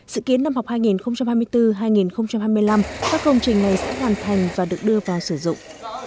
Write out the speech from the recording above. sự kiến năm học hai nghìn hai mươi bốn hai nghìn hai mươi năm các công trình này sẽ hoàn thành và được đưa vào sử dụng